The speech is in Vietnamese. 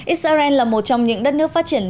israel là một trong những đất nước phát triển